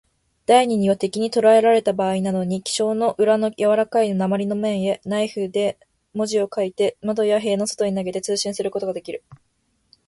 第二には、敵にとらえられたばあいなどに、記章の裏のやわらかい鉛の面へ、ナイフで文字を書いて、窓や塀の外へ投げて、通信することができる。